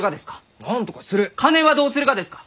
金はどうするがですか？